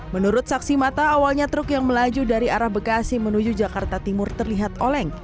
menurut saksi mata awalnya truk yang melaju dari arah bekasi menuju jakarta timur terlihat oleng